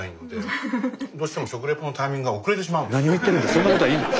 そんなことはいいんだ。